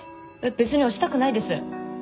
別に押したくないです。